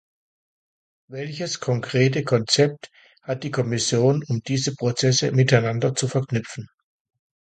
Welches konkrete Konzept hat die Kommission, um diese Prozesse miteinander zu verknüpfen?